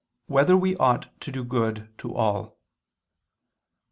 2] Whether We Ought to Do Good to All?